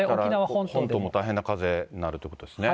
本島も大変な風になるということですね。